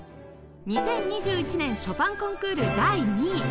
２０２１年ショパンコンクール第２位